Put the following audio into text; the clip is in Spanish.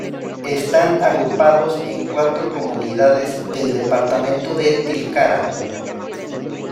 Están agrupados en cuatro comunidades del departamento de Tilcara.